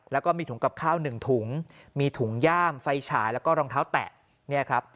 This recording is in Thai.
แล้วก็มีถุงกับข้าว๑ถุงมีถุงย่ามไฟฉายแล้วก็รองเท้าแตะ